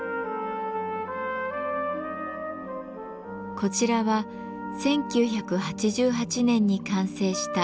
こちらは１９８８年に完成した商業施設。